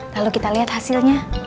lalu kita lihat hasilnya